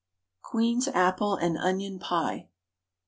QUEEN'S APPLE AND ONION PIE.